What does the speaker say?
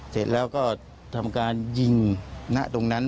เสร็จแล้วก็ทำการยิงณตรงนั้น